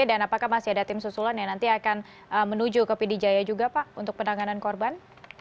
dan apakah masih ada tim susulan yang nanti akan menuju ke pdj juga pak untuk penanganan korban